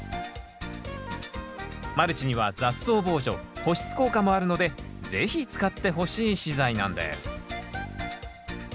マルチには雑草防除保湿効果もあるので是非使ってほしい資材なんです